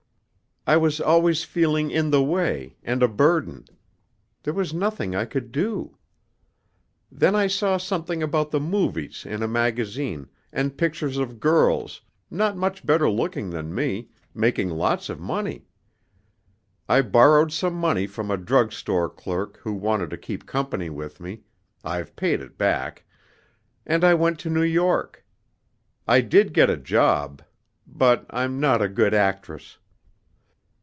I was always feeling in the way, and a burden. There was nothing I could do. "Then I saw something about the movies in a magazine, and pictures of girls, not much better looking than me, making lots of money. I borrowed some money from a drug store clerk who wanted to keep company with me I've paid it back and I went to New York. I did get a job. But I'm not a good actress."